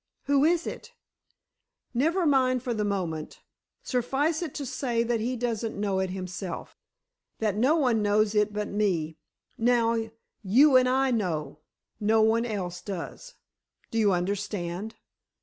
"Who is it?" "Never mind for the moment. Suffice it to say that he doesn't know it himself—that no one knows it but me. Now, you and I know. No one else does. Do you understand?"